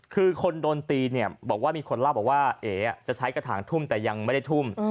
คือคนโดนตีเนี่ยบอกว่ามีคนเล่าบอกว่าเอ๋จะใช้กระถางทุ่มแต่ยังไม่ได้ทุ่ม